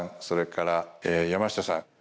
それから山下さん